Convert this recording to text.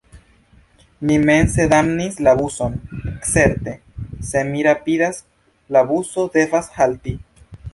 Mi mense damnis la buson: certe, se mi rapidas – la buso devas halti.